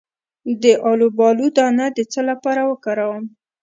د الوبالو دانه د څه لپاره وکاروم؟